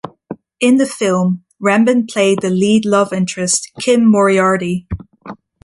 In the film, Rambin played the lead love interest, Kim Moriarty.